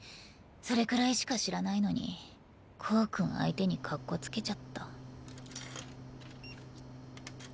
それくらいしか知らないのにコウ君相手にカッコつけちゃった。